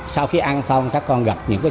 sau khi ăn xong các con gặp những cái